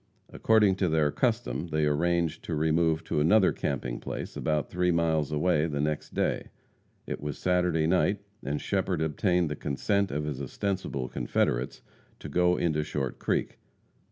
According to their custom they arranged to remove to another camping place about three miles away the next day. It was Saturday night, and Shepherd obtained the consent of his ostensible confederates to go into Short Creek.